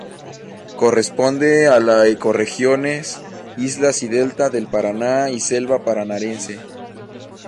Corresponde a la ecorregiones: islas y delta del Paraná, y selva Paranaense.